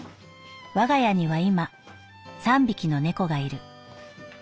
「我家には今三匹の猫がいる。